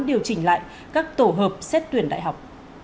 điều chỉnh lại các tổ hợp xét tuyển đại học